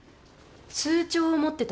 通帳を持ってたの？